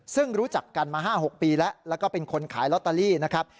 ซึ่งรู้จักกันมา๕๖ปีแล้วแล้วก็เป็นคนขายลอตเตอรี่นะครับ